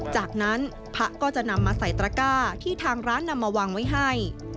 จากนั้นพระก็จะนำมาใส่ตระก้าที่ทางร้านนำมาวางไว้ให้